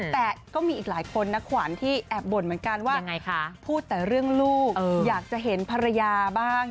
แต่ก็มีอีกหลายคนนะขวัญที่แอบบ่นเหมือนกันว่าพูดแต่เรื่องลูกอยากจะเห็นภรรยาบ้าง